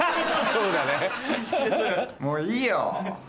もういいよ。